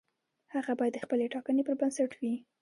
هغه باید د خپلې ټاکنې پر بنسټ وي.